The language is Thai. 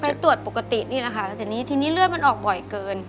ตรวจปกตินี่แหละค่ะแล้วทีนี้ทีนี้เลือดมันออกบ่อยเกิน